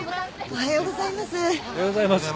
おはようございます。